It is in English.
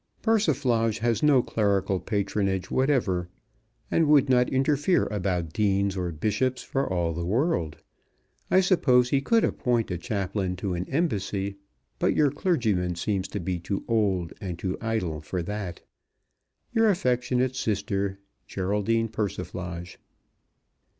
Persiflage has no clerical patronage whatever, and would not interfere about Deans or Bishops for all the world. I suppose he could appoint a Chaplain to an Embassy, but your clergyman seems to be too old and too idle for that. Your affectionate sister, GERALDINE PERSIFLAGE.